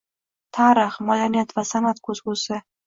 Tarix, madaniyat va san’at ko‘zgusi